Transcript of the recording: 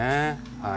はい。